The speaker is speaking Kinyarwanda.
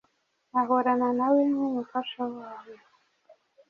Ahorana nawe nk’Umufasha wawe.